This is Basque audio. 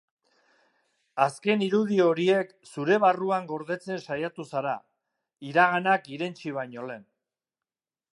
Azken irudi horiek zure barruan gordetzen saiatu zara, iraganak irentsi baino lehen.